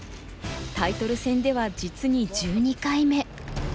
タイトル戦では実に１２回目。